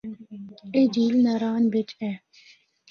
اے جھیل ناران بچ اے۔